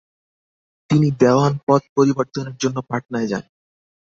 তিনি দেওয়ান পদ পরিবর্তনের জন্য পাটনায় যান।